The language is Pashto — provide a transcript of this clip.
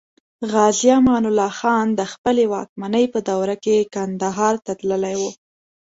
غازي امان الله خان د خپلې واکمنۍ په دوره کې کندهار ته تللی و.